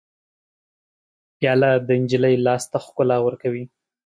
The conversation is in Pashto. پیاله د نجلۍ لاس ته ښکلا ورکوي.